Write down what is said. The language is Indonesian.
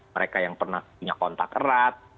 mereka yang pernah punya kontak erat